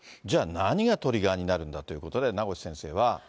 じゃあ、何がトリガーになるんだということで、名越先生は。